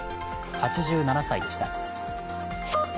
８７歳でした。